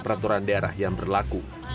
keperaturan daerah yang berlaku